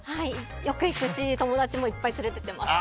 よく行くし、友達もいっぱい連れて行ってます。